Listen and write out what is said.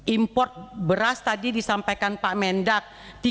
import beras tadi disampaikan pak mendak